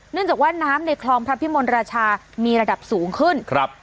จากว่าน้ำในคลองพระพิมลราชามีระดับสูงขึ้นครับ